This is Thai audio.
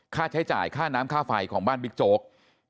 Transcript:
ค่าใช้จ่ายค่าน้ำค่าไฟของบ้านบิ๊กโจ๊ก